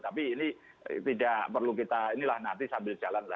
tapi ini tidak perlu kita inilah nanti sambil jalan